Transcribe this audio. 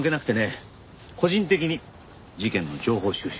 個人的に事件の情報収集。